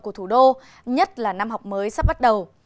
của thủ đô nhất là năm học mới sắp bắt đầu